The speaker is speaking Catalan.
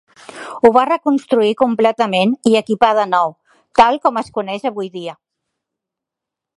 Ho va reconstruir completament i equipar de nou, tal com es coneix avui dia.